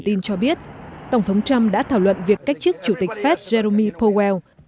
vấn đề nhất tổng thống trump đã thảo luận việc cách chức chủ tịch fed jeremy powell